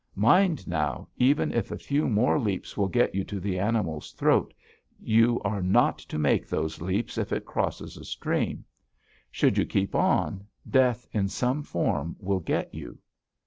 Mind, now, even if a few more leaps will get you to the animal's throat, you are not to make those leaps if it crosses a stream. Should you keep on, death in some form will get you.'